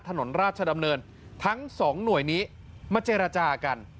ถนนราชดำเนินทั้งสองหน่วยนี้มาเจรจากัน